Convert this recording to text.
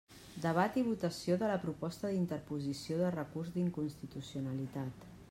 Debat i votació de la proposta d'interposició de recurs d'inconstitucionalitat.